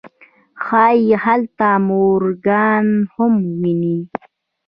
ښايي هلته مورګان هم وويني.